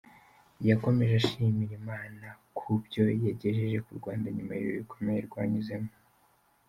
Yakomeje ashimira Imana ku byo yagejeje ku Rwanda nyuma y’ibihe bikomeye rwanyuzemo.